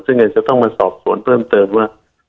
ซึ่งอาจจะต้องมาสอบสวนเพิ่มเติมว่า